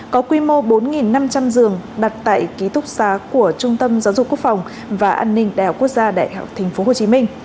có quy mô bốn năm trăm linh giường đặt tại ký túc xá của trung tâm giáo dục quốc phòng và an ninh đại học quốc gia đại học tp hcm